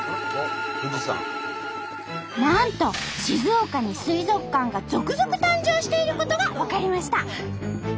なんと静岡に水族館が続々誕生していることが分かりました。